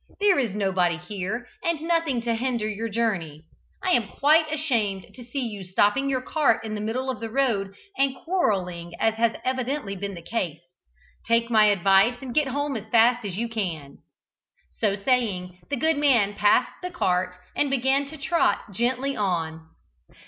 There is nobody here, and nothing to hinder your journey. I am quite ashamed to see you stopping your cart in the middle of the road and quarrelling as has evidently been the case. Take my advice, and get home as fast as you can." So saying, the good man passed the cart and began to trot gently on.